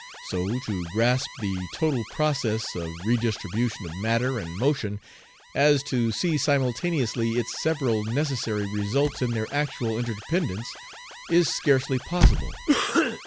So to grasp the total process of redistribution of matter and motion as to see simultaneously its several necessary results in their actual interdependence is scarcely possible.